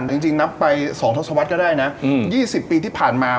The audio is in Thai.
จริงนับไป๒ทศวรรษก็ได้นะ๒๐ปีที่ผ่านมา